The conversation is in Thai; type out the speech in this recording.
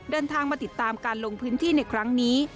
เดินทางมาติดตามการลงพื้นที่ในครั้งนี้